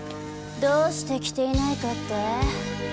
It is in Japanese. どうして着ていないかって？